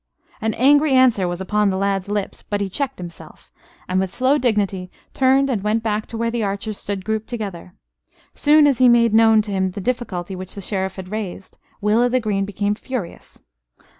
An angry answer was upon the lad's lips: but he checked himself, and with slow dignity turned and went back to where the archers stood grouped together. Soon as he made known to him the difficulty which the Sheriff had raised, Will o' th' Green became furious.